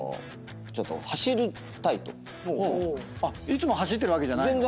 いつも走ってるわけじゃないの？